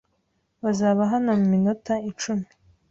Bazaba hano muminota icumi.